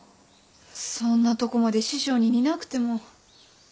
そんなとこまで師匠に似なくても。